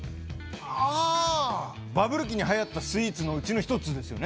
あー、バブル期にはやったスイーツのうちの一つですよね。